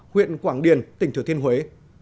huyện quảng điền tỉnh thừa thiên huế